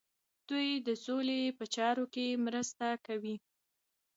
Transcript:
دوی د سولې په چارو کې مرسته کوي.